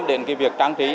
đến cái việc trang trí